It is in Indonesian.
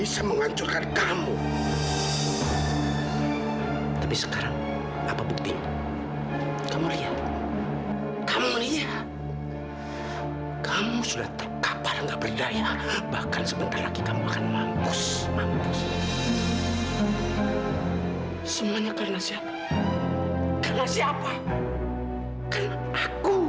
sampai jumpa di video selanjutnya